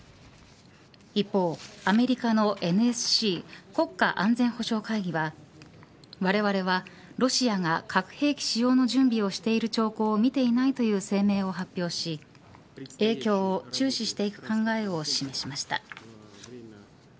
一方、アメリカのＮＳＣ国家安全保障会議はわれわれはロシアが核兵器使用の準備をしている兆候を見ていないという声明を発表し影響を注視していく考えを示しました。